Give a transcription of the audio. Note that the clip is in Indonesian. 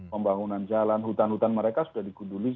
pembangunan jalan hutan hutan mereka sudah dikuduli